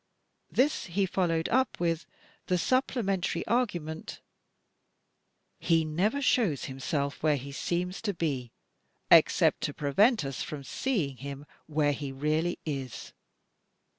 This he followed up with the supplementary argument: "He never shows himself where he seems to be except to prevent us from seeing him where he really is."